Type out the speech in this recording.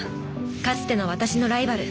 かつての私のライバル。